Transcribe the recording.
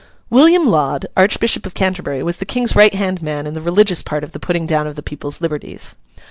William Laud, Archbishop of Canterbury, was the King's right hand man in the religious part of the putting down of the people's liberties.